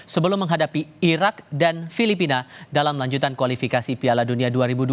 sebelum menghadapi irak dan filipina dalam lanjutan kualifikasi piala dunia dua ribu dua puluh